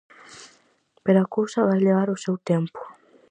Pero a cousa vai levar o seu tempo.